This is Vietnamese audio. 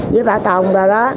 với bảo tồn bà đó